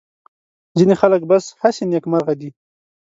ځینې خلک بس هسې نېکمرغه دي.